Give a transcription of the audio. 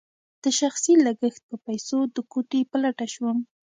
د شخصي لګښت په پیسو د کوټې په لټه شوم.